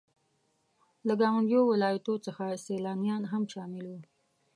له ګاونډيو ولاياتو څخه سيلانيان هم شامل وو.